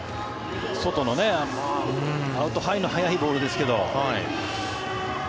外の、アウトハイの速いボールですけど。